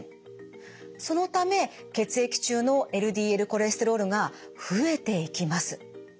そのため血液中のＬＤＬコレステロールが増えていきます。